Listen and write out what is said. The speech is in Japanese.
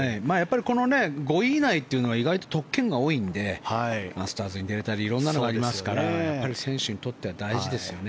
この５位以内っていうのは意外と特権が多いのでマスターズに出れたり色んなのがありますから選手にとっては大事ですよね。